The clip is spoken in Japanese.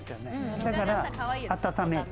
だから温める。